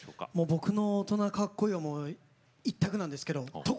僕の大人かっこいいはもう１択なんですけど所